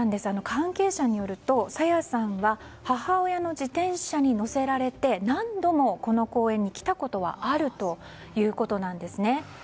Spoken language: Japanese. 関係者によると朝芽さんは母親の自転車に乗せられて何度もこの公園に来たことはあるということなんですね。